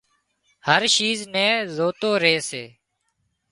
هر شيز نين زوتو ري سي